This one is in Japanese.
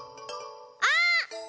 あっ！